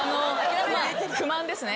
不満ですね。